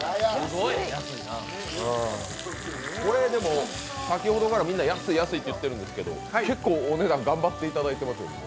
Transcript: これ、先ほどからみんな安い安いって言ってるんですけど、結構、お値段頑張っていただいてます？